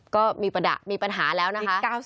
ก็มีปัญหาแล้วนะคะ